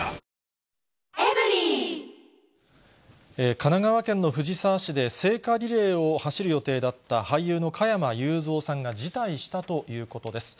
神奈川県の藤沢市で、聖火リレーを走る予定だった俳優の加山雄三さんが辞退したいということです。